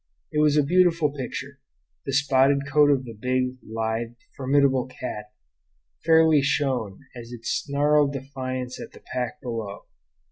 It was a beautiful picture the spotted coat of the big, lithe, formidable cat fairly shone as it snarled defiance at the pack below.